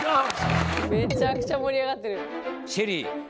めちゃくちゃ盛り上がってる。